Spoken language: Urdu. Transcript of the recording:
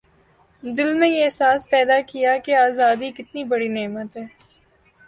دل میں یہ احساس پیدا کیا کہ آزادی کتنی بڑی نعمت ہے